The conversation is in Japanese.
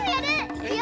いくよ！